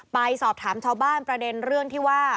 ไปสอบถามชาวบ้านประเด็นเรื่องที่ว่า